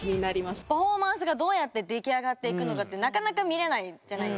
パフォーマンスがどうやって出来上がっていくのかってなかなか見れないじゃないですか。